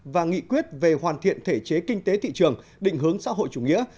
và nghị quyết về hoàn thiện thể chế kinh tế thị trường định hướng xã hội chủ nghĩa